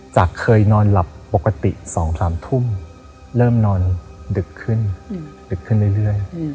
เคยนอนหลับปกติ๒๓ทุ่มเริ่มนอนดึกขึ้นดึกขึ้นเรื่อย